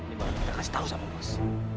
ini baru kita kasih tahu sama bos